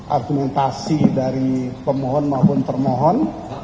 argumentasi dari pemohon maupun termohon